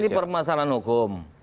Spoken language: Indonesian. ini permasalahan hukum